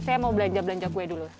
saya mau belanja belanja kue dulu